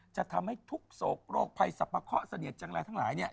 จะทำให้ทุกศพโรคภัยสรรพาข้อเสนียดจังหลายทั้งหลายเนี่ย